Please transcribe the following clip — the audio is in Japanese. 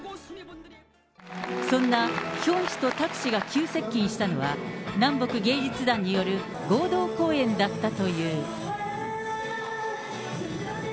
そんなヒョン氏とタク氏が急接近したのは、南北芸術団による合同公演だったという。